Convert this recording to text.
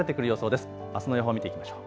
あすの予報を見ていきましょう。